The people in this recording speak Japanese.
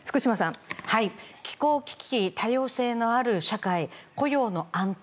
気候危機、多様性のある社会雇用の安定。